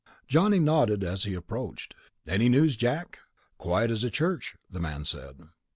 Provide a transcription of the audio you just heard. Johnny nodded as he approached. "Any news, Jack?" "Quiet as a church," the man said.